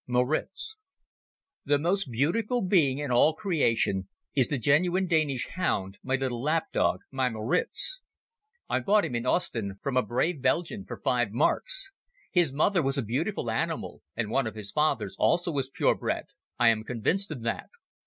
"Moritz" THE most beautiful being in all creation is the genuine Danish hound, my little lap dog, my Moritz. I bought him in Ostend from a brave Belgian for five marks. His mother was a beautiful animal and one of his fathers also was pure bred. I am convinced of that.